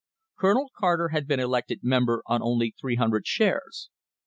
Colonel Carter had been elected member on only 300 shares.